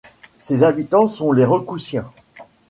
Ses habitants sont les Recoussiens.